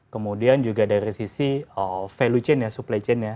kemudian juga dari sisi value chain ya supply chain ya